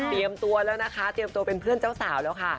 ตัวแล้วนะคะเตรียมตัวเป็นเพื่อนเจ้าสาวแล้วค่ะ